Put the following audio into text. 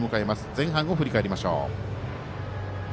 前半を振り返りましょう。